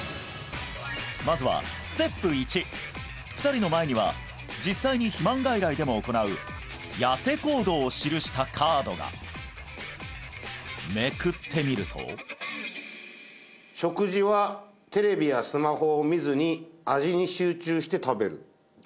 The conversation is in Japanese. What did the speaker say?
まずはステップ１２人の前には実際に肥満外来でも行うヤセ行動を記したカードがめくってみると「食事はテレビやスマホを見ずに味に集中して食べる」